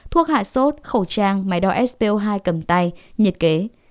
thuốc hạ sốt khẩu trang máy đo sco hai cầm tay nhiệt kế